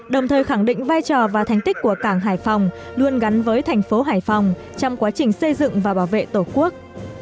đồng thời khẳng định vai trò và thành tích của cảng hải phòng luôn gắn với thành phố hải phòng trong quá trình xây dựng và bảo vệ tổ quốc